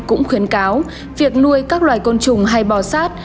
cũng khuyến cáo việc nuôi các loài côn trùng hay bò sát